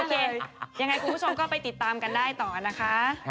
ยังไงคุณผู้ชมก็ไปติดตามกันได้ต่อนะคะ